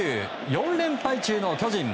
４連敗中の巨人。